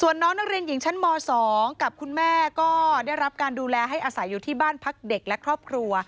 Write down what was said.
ส่วนน้องนักเรียนหญิงชั้นม๒กับคุณแม่ก็ได้รับการดูแลให้อาศัยอยู่ที่บ้านพักเด็กและครอบครัว